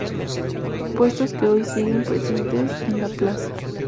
Puestos que hoy siguen presentes en la Plaza.